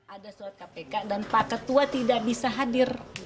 ada surat kpk dan pak ketua tidak bisa hadir